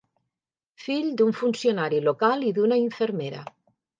Fill d'un funcionari local i d'una infermera.